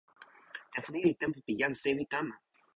tenpo ni li tenpo pi jan sewi kama.